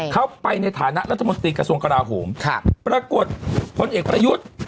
เขาไปในฐานะรัฐมนตรีกระทรวงกราโหมปรากฏพลเอกประยุทธ์